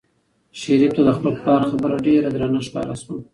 شریف ته د خپل پلار خبره ډېره درنه ښکاره شوه.